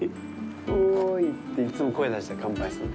オーイって、いつも声を出して乾杯するの。